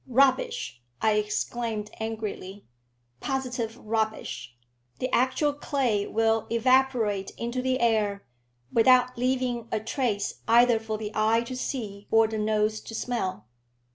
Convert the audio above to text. "Rubbish!" I exclaimed, angrily; "positive rubbish! The actual clay will evaporate into the air, without leaving a trace either for the eye to see or the nose to smell."